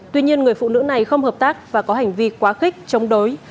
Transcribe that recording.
tuy nhiên người phụ nữ này không hợp tác và có hành vi quá khích chống đối